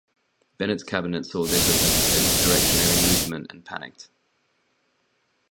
Bennett's cabinet saw this as an insurrectionary movement and panicked.